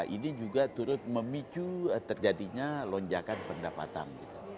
ini juga turut memicu terjadinya lonjakan pendapatan